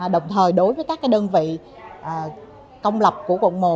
đồng thời đối với các đơn vị công lập của quận một